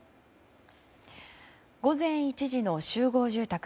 午前１時の集合住宅。